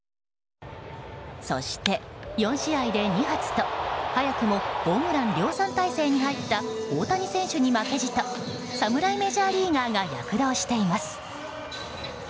そして、４試合で２発と早くもホームラン量産態勢に入った大谷選手に負けじと侍メジャーリーガーが躍動しています。